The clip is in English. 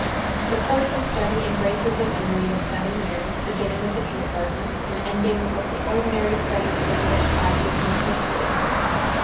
The course of study embraces a period of seven years, beginning with the kindergarten, and ending with the ordinary studies of English classes in the high schools.